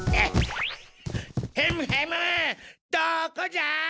ヘムヘムどこじゃ！